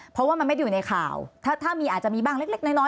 เพราะว่ามันไม่ได้อยู่ในข่าวถ้ามีอาจจะมีบ้างเล็กน้อย